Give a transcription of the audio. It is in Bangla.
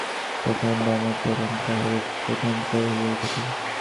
তখন বামাচরণ তাহার প্রধান চর হইয়া উঠিল।